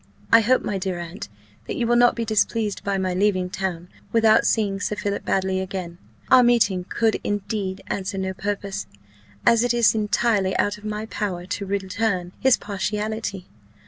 I hope, my dear aunt, that you will not be displeased by my leaving town without seeing Sir Philip Baddely again. Our meeting could indeed answer no purpose, as it is entirely out of my power to return his partiality.